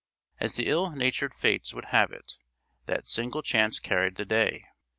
As the ill natured Fates would have it, that single chance carried the day!